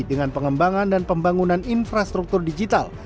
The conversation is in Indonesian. dengan pengembangan dan pembangunan infrastruktur digital